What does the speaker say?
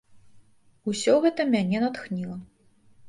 Усё гэта мяне натхніла.